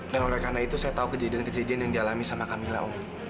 dan oleh karena itu saya tahu kejadian kejadian yang dialami sama kamila om